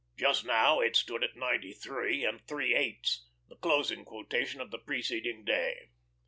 Just now it stood at ninety three and three eighths, the closing quotation of the preceding day.